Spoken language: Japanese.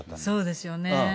そうですよね。